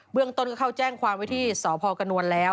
เรื่องต้นก็เข้าแจ้งความไว้ที่สพกระนวลแล้ว